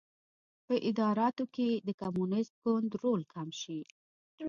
په اداراتو کې د کمونېست ګوند رول کم شي.